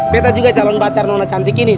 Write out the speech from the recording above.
beta juga calon pacar nona cantik gini